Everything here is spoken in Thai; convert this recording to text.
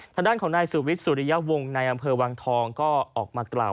ทางด้านของนายสุวิทย์สุริยวงศ์ในอำเภอวังทองก็ออกมากล่าว